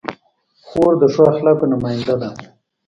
خور د ښو اخلاقو نماینده ده.